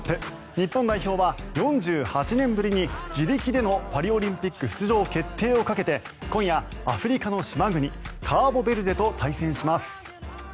日本代表は４８年ぶりに自力でのパリオリンピック出場決定をかけて今夜、アフリカの島国カーボベルデと対戦します。